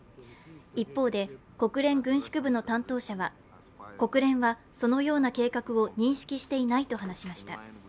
一方で、国連軍縮部の担当者は国連はそのような計画を認識していないと話しました。